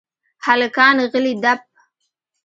هلکان غلي دپ .